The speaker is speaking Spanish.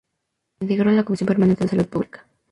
Integró la Comisión Permanente de Salud Pública.